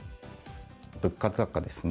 物価高ですね。